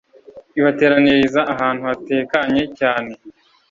Ibateraniriza ahantu hatekanye cyane